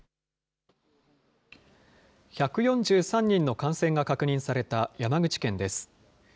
１４３人の感染が確認された山口県です。